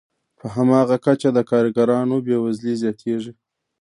په هماغه کچه د کارګرانو بې وزلي زیاتېږي